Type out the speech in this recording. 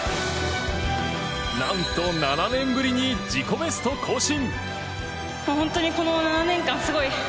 何と７年ぶりに自己ベスト更新。